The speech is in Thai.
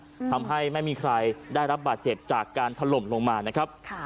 ทำให้ไม่มีใครได้รับบาดเจ็บจากการถล่มลงมานะครับค่ะ